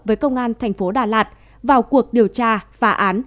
với công an thành phố đà lạt vào cuộc điều tra phá án